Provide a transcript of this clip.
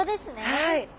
はい。